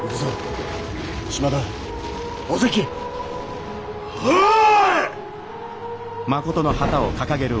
うわ！